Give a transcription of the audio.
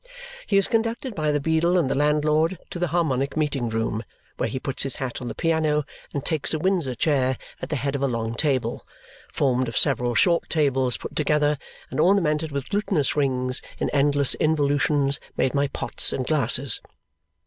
He is conducted by the beadle and the landlord to the Harmonic Meeting Room, where he puts his hat on the piano and takes a Windsor chair at the head of a long table formed of several short tables put together and ornamented with glutinous rings in endless involutions, made by pots and glasses.